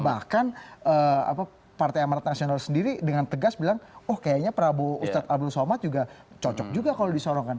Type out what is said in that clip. bahkan partai amarat nasional sendiri dengan tegas bilang oh kayaknya prabowo ustadz abdul somad juga cocok juga kalau disorongkan